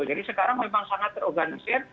jadi sekarang memang sangat terorganisir